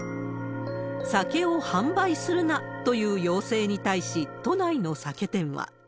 酒を販売するなという要請に対し、都内の酒店は。